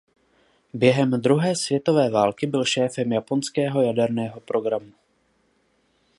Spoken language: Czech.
Během druhé světové války byl šéfem japonského jaderného programu.